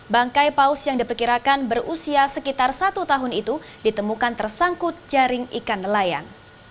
bangkai paus yang diperkirakan berusia sekitar satu tahun itu ditemukan tersangkut jaring ikan nelayan